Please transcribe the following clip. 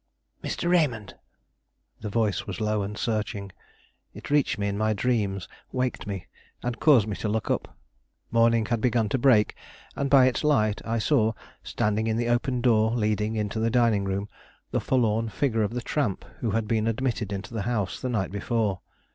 "MR. RAYMOND!" The voice was low and searching; it reached me in my dreams, waked me, and caused me to look up. Morning had begun to break, and by its light I saw, standing in the open door leading into the dining room, the forlorn figure of the tramp who had been admitted into the house the night before.